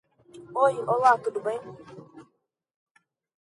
Oi, olá. Tudo bem.